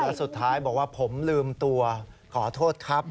แล้วสุดท้ายบอกว่าผมลืมตัวขอโทษครับ